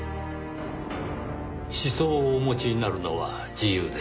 思想をお持ちになるのは自由です。